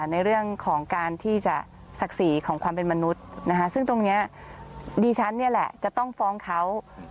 ในเรื่องของการที่จะศักดิ์ศรีของความเป็นมนุษย์นะคะซึ่งตรงนี้ดิฉันเนี่ยแหละจะต้องฟ้องเขา